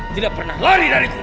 tidak pernah lari dari itu